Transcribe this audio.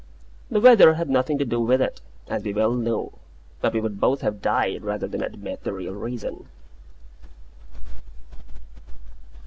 The weather had nothing to do with it, as we well knew. But we would both have died rather than have admitted the real reason.